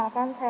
ibu perawat ada